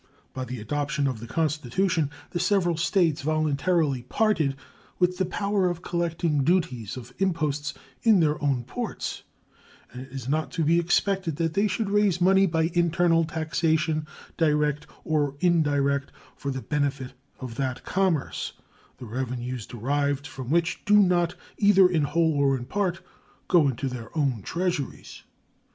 By the adoption of the Constitution the several States voluntarily parted with the power of collecting duties of imposts in their own ports, and it is not to be expected that they should raise money by internal taxation, direct or indirect, for the benefit of that commerce the revenues derived from which do not, either in whole or in part, go into their own treasuries.